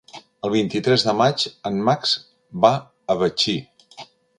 El vint-i-tres de maig en Max va a Betxí.